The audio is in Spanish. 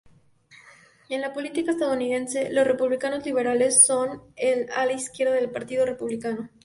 En la política estadounidense, los republicanos liberales son el ala izquierda del Partido Republicano.